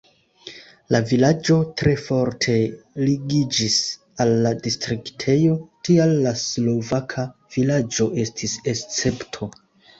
La vilaĝo tre forte ligiĝis al la distriktejo, tial la slovaka vilaĝo estis escepto.